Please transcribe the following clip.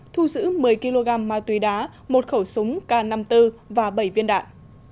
thu giữ một mươi kg ma túy đá một khẩu súng k năm mươi bốn và bảy viên đạn